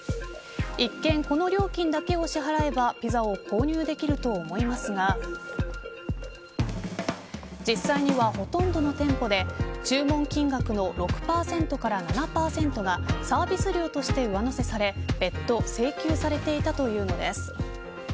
一見、この料金だけを支払えばピザを購入できると思いますが実際にはほとんどの店舗で注文金額の６％から７％がサービス料として上乗せされ別途請求されていたということです。